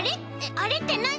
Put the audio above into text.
あれってなに？